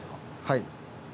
はい。